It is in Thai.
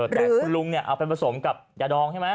หรือลุงเอามาผสมยาดองใช่ไหม